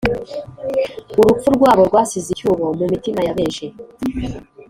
urupfu rwabo rwasize icyuho mu mitima ya benshi